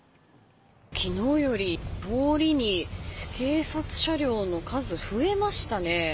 昨日より、通りに警察車両の数増えましたね。